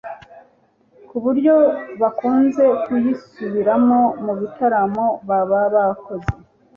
kuburyo bakunze kuyisuburamo mu bitaramo baba bakoze